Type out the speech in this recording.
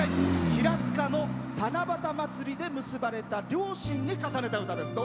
平塚の七夕まつりで結ばれた両親に重ねた歌です。